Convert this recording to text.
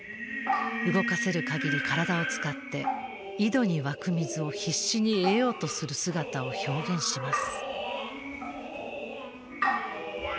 動かせる限り体を使って井戸に湧く水を必死に得ようとする姿を表現します。